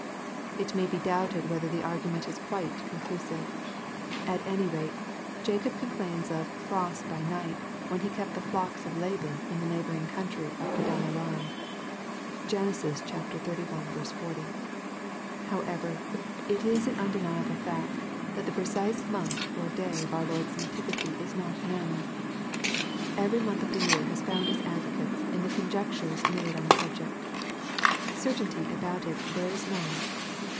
It may be doubted whether the argument id quite conclusive. At any rate, Jacob complains of "frost by nighty" when he kept the flock of Laban, in the neighboring country of Fadan Aram. (Gen. zzxL 40.) However, it is an undeniable fact that the precise month or day of our Lord's nativity is not known. Every month in the year has found its advocates, in the conjectures made on the subject Certainty about it there is none.